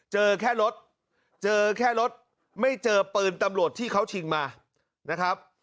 เจอแค่รถเจอแค่รถไม่เจอปืนตำรวจที่เขาชิงมานะครับ